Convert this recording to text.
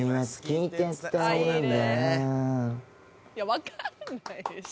分かんないでしょ。